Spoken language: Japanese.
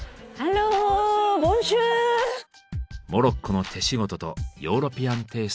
モロッコの手仕事とヨーロピアンテイストが共存。